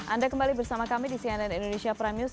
anda kembali bersama kami di cnn indonesia prime news